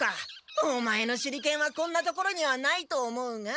オマエの手裏剣はこんな所にはないと思うが。